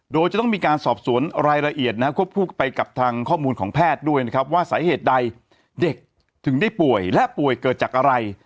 โดยจะต้องมีการสอบสวนรายละเอียดนะฮะควบคู่ไปกับทางข้อมูลของแพทย์ด้วยนะครับว่าสาเหตุใดเด็กถึงได้ป่วยและป่วยเกิดจากอะไร